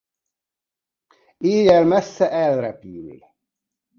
Éjjel messze elrepül.